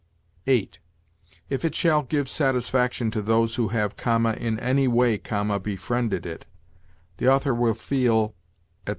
8. 'If it shall give satisfaction to those who have(,) in any way(,) befriended it, the author will feel,' etc.